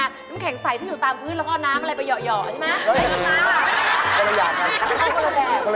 น้ำแข็งใสที่อยู่ตามพื้นแล้วก็เอาน้ำอะไรไปหย่อใช่ไหม